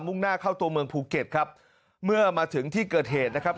่งหน้าเข้าตัวเมืองภูเก็ตครับเมื่อมาถึงที่เกิดเหตุนะครับ